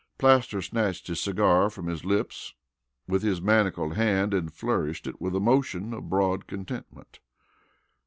Plaster snatched his cigar from his lips with his manacled hand and flourished it with a motion of broad contentment.